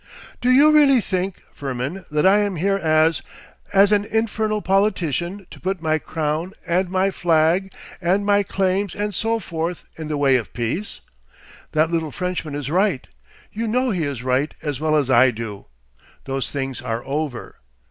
'Do you really think, Firmin, that I am here as—as an infernal politician to put my crown and my flag and my claims and so forth in the way of peace? That little Frenchman is right. You know he is right as well as I do. Those things are over.